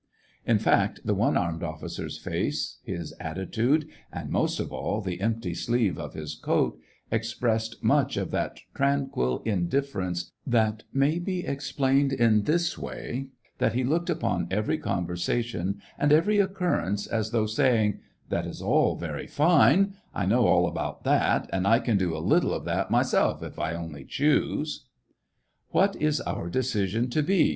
In fact, the one armed officer's face, his attitude, and, most of all, the empty sleeve of his coat, ex SEVASTOPOL IN AUGUST. 139 pressed much of that tranquil indifference that may be explained in this way — that he looked upon every conversation and every occurrence as though saying, " That is all very fine ; I know all about that, and I can do a little of that myself, if I only choose." " What is our decision to be